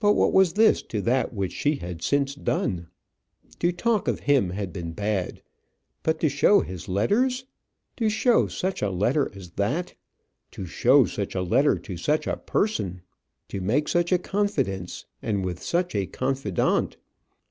But what was this to that which she had since done? To talk of him had been bad, but to show his letters! to show such a letter as that! to show such a letter to such a person! to make such a confidence, and with such a confidant!